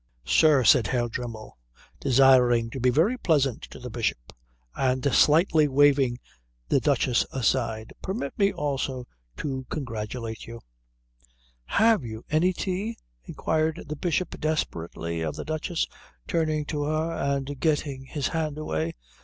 "Sir," said Herr Dremmel, desiring to be very pleasant to the Bishop and slightly waving the Duchess aside, "permit me also to congratulate you " "Have you had any tea?" inquired the Bishop desperately of the Duchess, turning to her and getting his hand away.